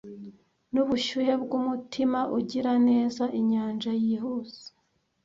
Nubushyuhe bwumutima ugira neza inyanja yihuse,